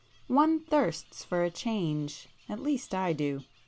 One thirsts for [p 335] a change; at least I do.